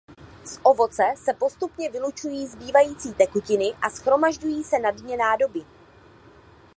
Z ovoce se postupně vylučují zbývající tekutiny a shromažďují se na dně nádoby.